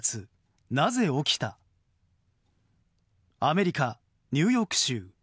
アメリカ・ニューヨーク州。